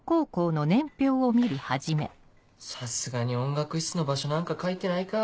さすがに音楽室の場所なんか書いてないか。